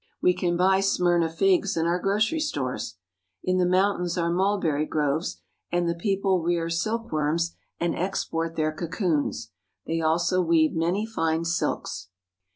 We can buy Smyrna figs in our grocery stores. In the mountains are mulberry groves, and the people rear silkworms and export their cocoons. They also weave many fine silks.